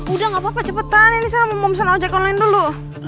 udah gapapa cepetan ini saya mau pesan ojek online dulu